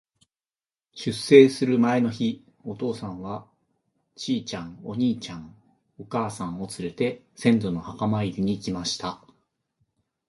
出征する前の日、お父さんは、ちいちゃん、お兄ちゃん、お母さんをつれて、先祖の墓参りに行きました。